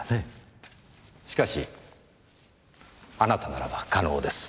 しかしあなたならば可能です。